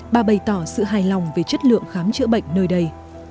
bà bày tỏ sự hài lòng về chất lượng khám chữa bệnh nơi đây